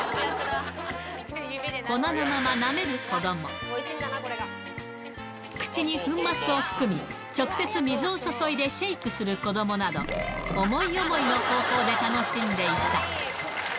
粉のまま、なめる子ども、口に粉末を含み、直接水を注いでシェイクする子どもなど、思い思いの方法で楽しん